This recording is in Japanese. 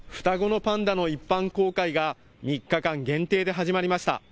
双子のパンダの一般公開が３日間限定で始まりました。